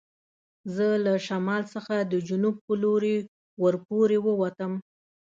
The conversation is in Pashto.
زه له شمال څخه د جنوب په لور ور پورې و وتم.